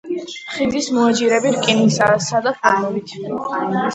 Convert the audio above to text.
ხიდის მოაჯირები რკინისაა, სადა ფორმებით.